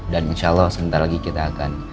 dan insya allah sebentar lagi kita akan